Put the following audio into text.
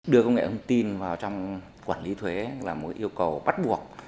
đưa công nghệ thông tin vào trong quản lý thuế là một yêu cầu bắt buộc